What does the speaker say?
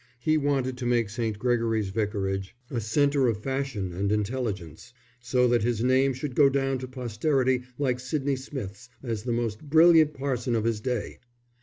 He wanted to make St. Gregory's Vicarage a centre of fashion and intelligence, so that his name should go down to posterity like Sydney Smith's as the most brilliant parson of his day.